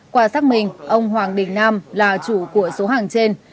qua xác minh ông hoàng đình nam là chủ của số hàng trên